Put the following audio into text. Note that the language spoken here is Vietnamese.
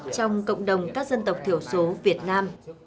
trong cộng đồng các dân tộc thiểu số việt nam